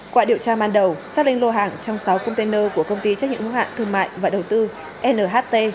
qua điều tra ban đầu xác linh lô hàng trong sáu container của công ty trách nhiệm hữu hạn thương mại và đầu tư nht